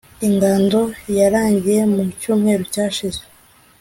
Ingando yarangiye mu cyumweru cyashize